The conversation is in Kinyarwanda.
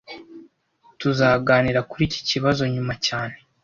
Tuzaganira kuri iki kibazo nyuma cyane